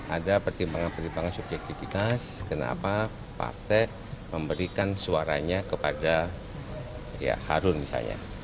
ada pertimbangan pertimbangan subjektivitas kenapa partai memberikan suaranya kepada harun misalnya